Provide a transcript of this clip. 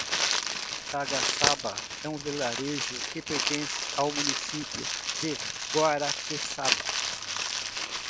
Tagaçaba é um vilarejo que pertence ao município de Guaraqueçaba.